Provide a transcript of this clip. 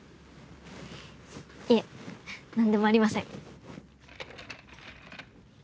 いえ何でもありません。